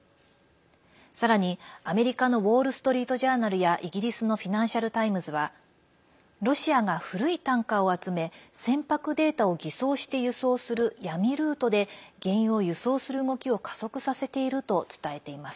さらに、アメリカのウォール・ストリート・ジャーナルやイギリスのフィナンシャル・タイムズはロシアが古いタンカーを集め船舶データを偽装して輸送する闇ルートで原油を輸送する動きを加速させていると伝えています。